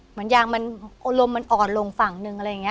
เหมือนยางมันอารมณ์มันอ่อนลงฝั่งหนึ่งอะไรอย่างนี้